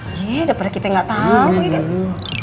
iya daripada kita gak tau gitu